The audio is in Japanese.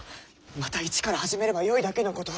また一から始めればよいだけのこと。